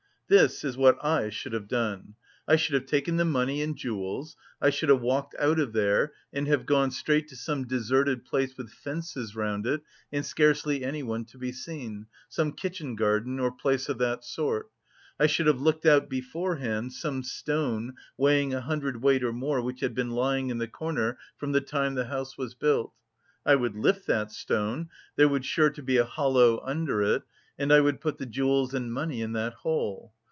"This is what I should have done. I should have taken the money and jewels, I should have walked out of there and have gone straight to some deserted place with fences round it and scarcely anyone to be seen, some kitchen garden or place of that sort. I should have looked out beforehand some stone weighing a hundredweight or more which had been lying in the corner from the time the house was built. I would lift that stone there would sure to be a hollow under it, and I would put the jewels and money in that hole.